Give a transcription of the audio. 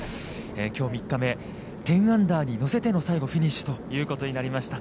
きょう３日目、１０アンダーに乗せての、最後フィニッシュということになりました。